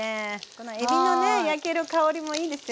このえびのね焼ける香りもいいですよね。